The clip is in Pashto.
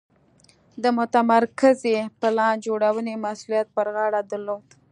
د متمرکزې پلان جوړونې مسوولیت پر غاړه درلود.